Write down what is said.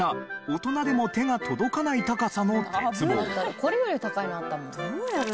これより高いのあったもん。